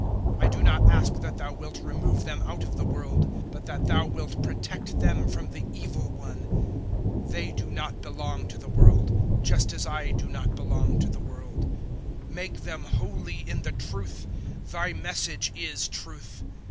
017:015 I do not ask that Thou wilt remove them out of the world, but that Thou wilt protect them from the Evil one. 017:016 They do not belong to the world, just as I do not belong to the world. 017:017 Make them holy in the truth: Thy Message is truth.